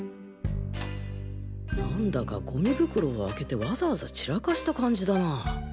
なんだかゴミ袋を開けてわざわざ散らかした感じだな。